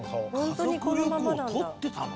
家族旅行撮ってたの？